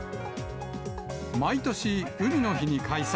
毎年、海の日に開催。